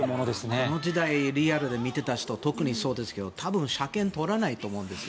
この時代リアルで見ていた人は特にそうですけど多分、車検通らないと思うんですね。